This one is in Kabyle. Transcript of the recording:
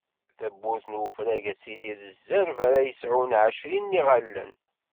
Tabburt n ufrag ad tili d ẓẓerb ara yesɛun ɛecrin n iɣallen.